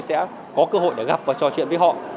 sẽ có cơ hội để gặp và trò chuyện với họ